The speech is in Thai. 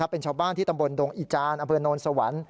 เป็นชาวบ้านที่ตำบลดงอีจานอำเภอโนนสวรรค์